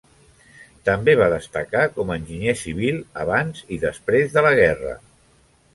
També va destacar com a enginyer civil abans i després de la guerra.